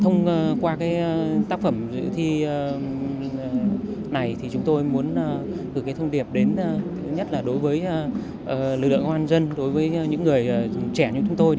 thông qua tác phẩm dự thi này thì chúng tôi muốn gửi cái thông điệp đến nhất là đối với lực lượng công an dân đối với những người trẻ như chúng tôi